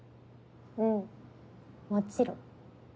うんもちろん。